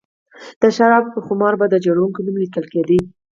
د شرابو پر خُمر و به د جوړوونکي نوم لیکل کېده